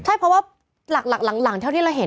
ใช่เพราะว่าหลักหลักหลังหลังเท่าที่เราเห็นนะ